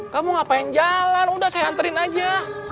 kamu ngapain jalan udah saya anterin aja